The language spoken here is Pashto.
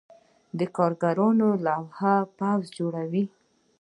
د کارګرانو لوی پوځ جوړ شو.